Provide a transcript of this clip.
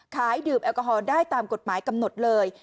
ดื่มแอลกอฮอลได้ตามกฎหมายกำหนดเลย